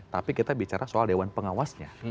tapi kita bicara soal dewan pengawasnya